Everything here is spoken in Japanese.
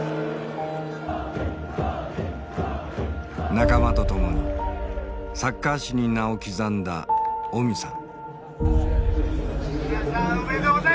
仲間と共にサッカー史に名を刻んだオミさん。